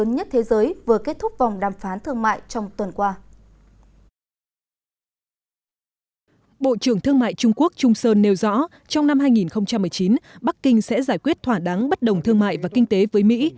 nói rõ trong năm hai nghìn một mươi chín bắc kinh sẽ giải quyết thỏa đắng bất đồng thương mại và kinh tế với mỹ